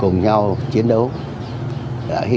trong những năm chiến tranh